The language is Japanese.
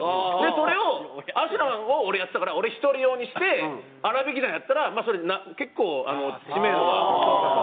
それをアシュラマンを俺やってたから俺１人用にして『あらびき団』でやったらそれ結構知名度が広がって。